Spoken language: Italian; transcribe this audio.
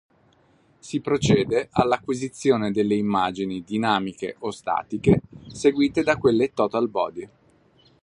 Si procede all’acquisizione delle immagini dinamiche o statiche seguite da quelle total body.